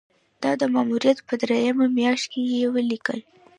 دا د ماموریت په دریمه میاشت کې یې ولیکل.